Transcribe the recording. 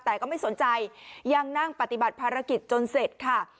แต่ก็ไม่สนใจยังนั่งปฏิบัติภารกิจจนเสร็จค่ะ